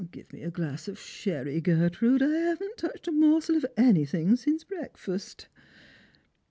Give me a glass of sherry, Gertrude. I haven't touched a morsel of anything since breakfast."